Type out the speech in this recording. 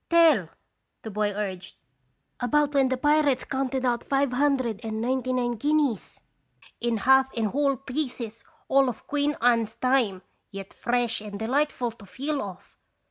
"Tell," the boy urged, "about when the pirates counted out five hundred and ninety 21 racion0 bisitation. 165 nine guineas in half and whole pieces, all of Queen Anne's time, yet fresh and delightful to feel of."